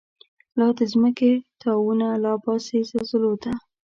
لا د مځکی تناوونه، لاره باسی زلزلوته